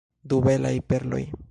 Du belaj perloj!